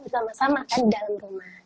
sama sama kan di dalam rumah